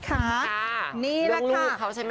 ค่ะลูกเขาใช่มั้ย